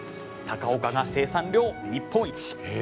高岡が生産量日本一。